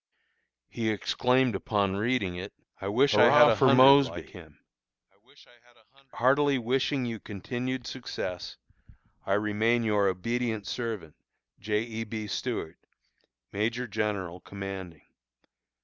He exclaimed upon reading it, "Hurrah for Mosby! I wish I had a hundred like him!" Heartily wishing you continued success, I remain your obedient servant, J. E. B. STUART, Major General Commanding.